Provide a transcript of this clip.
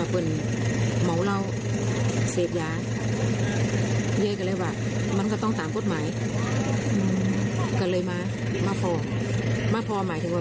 ม้าพอหมายถึงว่า